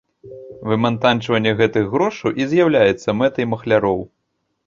Вымантачванне гэтых грошаў і з'яўляецца мэтай махляроў.